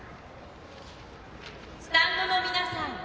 スタンドの皆さん